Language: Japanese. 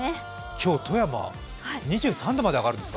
今日、富山、２３度まで上がるんですか？